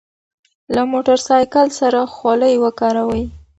له موټر سایکل سره خولۍ وکاروئ.